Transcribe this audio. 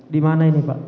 dimana ini pak